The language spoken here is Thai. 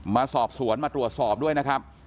มาสอบสวนมาตรวจสอบด้วยนะครับ